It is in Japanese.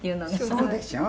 「そうでしょ？